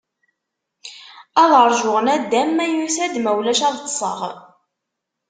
Ad rjuɣ nadam, ma yusa-d, ma ulac ad ṭṭseɣ.